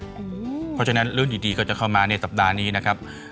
เพราะฉะนั้นเรื่องดีก็จะเข้ามาในสัปดาห์นี้นะครับ